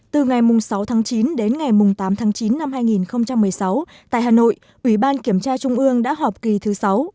từ ngày sáu tháng chín đến ngày tám tháng chín năm hai nghìn một mươi sáu tại hà nội ủy ban kiểm tra trung ương đã họp kỳ thứ sáu